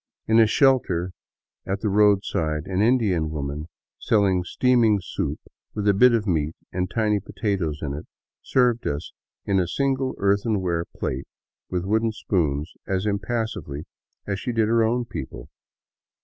In a shelter at the roadside an Indian woman, selHng steaming soup with a bit of meat and tiny potatoes in it, served us in a single earthenware plate with wooden spoons as impassively as she did her own people.